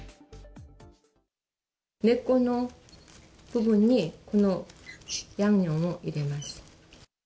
根っこの部分にこのヤンニョムを入れます。